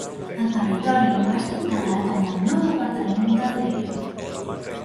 El territori va ser integrat en el nou Departament del Leie.